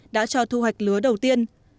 đã cho thu hoạch lứa đầu tiên